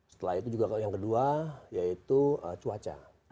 setelah itu juga yang kedua yaitu cuaca